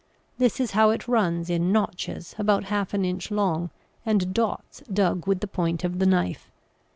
This is how it runs, in notches about half an inch long, and dots dug with the point of the knife.